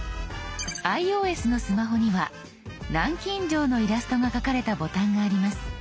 ｉＯＳのスマホには南京錠のイラストが描かれたボタンがあります。